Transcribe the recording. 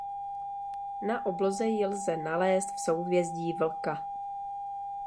Na obloze ji lze nalézt v souhvězdí Vlka.